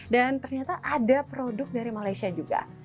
dan ternyata ada produk dari malaysia juga